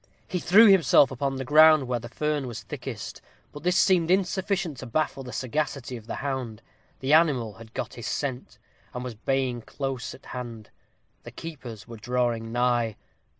He threw himself upon the ground, where the fern was thickest; but this seemed insufficient to baffle the sagacity of the hound the animal had got his scent, and was baying close at hand. The keepers were drawing nigh.